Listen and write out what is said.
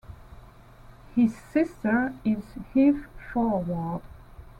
His sister is Eve Forward.